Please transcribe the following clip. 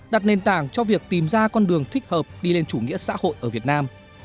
đặt nền tảng cho việc tìm ra con đường thích hợp đi lên chủ nghĩa xã hội ở việt nam